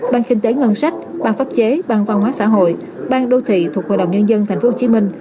bang kinh tế ngân sách bang pháp chế bang văn hóa xã hội bang đô thị thuộc hội đồng nhân dân tp hcm